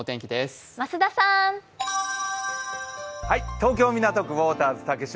東京・港区ウォーターズ竹芝